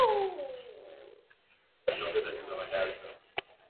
Minyoo hupatikana kwenye tumbo utumbo au maini